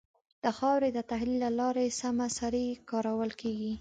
د خاورې د تحلیل له لارې سمه سري کارول کېږي.